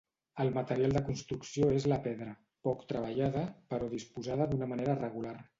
El material de construcció és la pedra, poc treballada, però disposada d'una manera regular.